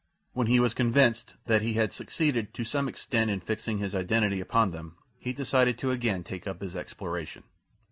When he was convinced that he had succeeded to some extent in fixing his identity upon them he decided to again take up his exploration.